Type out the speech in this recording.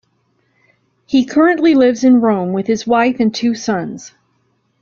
He currently lives in Rome with his wife and two sons.